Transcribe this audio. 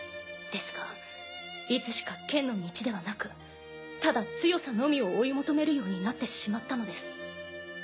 ですがいつしか剣の道ではなくただ強さのみを追い求めるようになってしまったのです。